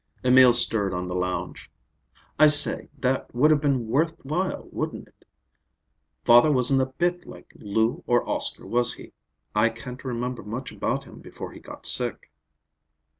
Emil stirred on the lounge. "I say, that would have been worth while, wouldn't it? Father wasn't a bit like Lou or Oscar, was he? I can't remember much about him before he got sick."